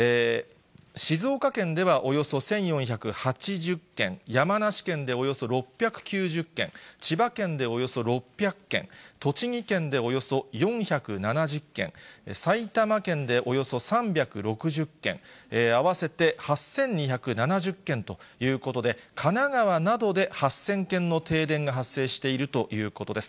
静岡県ではおよそ１４８０軒、山梨県でおよそ６９０軒、千葉県でおよそ６００軒、栃木県でおよそ４７０軒、埼玉県でおよそ３６０軒、合わせて８２７０軒ということで、神奈川などで８０００軒の停電が発生しているということです。